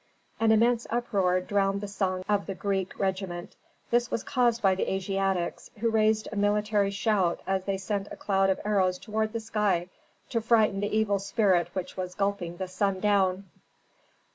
An immense uproar drowned the song of the Greek regiment. This was caused by the Asiatics, who raised a military shout as they sent a cloud of arrows toward the sky to frighten the evil spirit which was gulping the sun down.